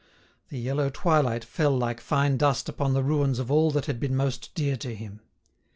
The yellow twilight fell like fine dust upon the ruins of all that had been most dear to him.